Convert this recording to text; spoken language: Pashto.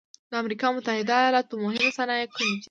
د امریکا متحد ایلاتو مهمې صنایع کومې دي؟